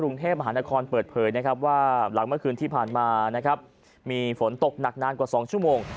กรุงเทพมหานครเปิดเผยนะครับว่าหลังเมื่อคืนที่ผ่านมานะครับมีฝนตกหนักนานกว่า๒ชั่วโมง